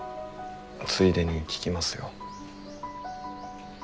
ついでに聞きますよ。